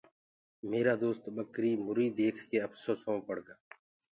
ميرآ دوست ٻڪريٚ مُريٚ ديک ڪي اڦسوسو مي پڙگآ۔